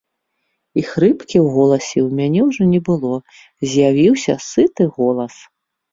І хрыпкі ў горле ў мяне ўжо не было, з'явіўся сыты голас.